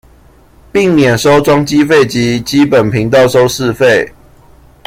並免收裝機費及基本頻道收視費